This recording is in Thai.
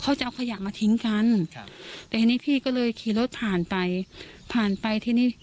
เขาจะเอาขยะมาทิ้งกันแต่ทีนี้พี่ก็เลยขี่รถผ่านไป